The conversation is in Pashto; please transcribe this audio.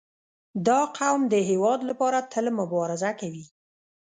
• دا قوم د هېواد لپاره تل مبارزه کړې.